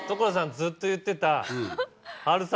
ずっと言ってた。